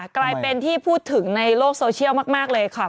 กลายเป็นที่พูดถึงในโลกโซเชียลมากเลยค่ะ